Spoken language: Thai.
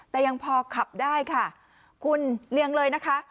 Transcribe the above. แต่ยังพอขับได้ค่ะคุณเรียงเลยนะคะ